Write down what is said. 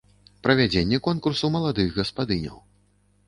Правядзенне конкурсу маладых гаспадыняў.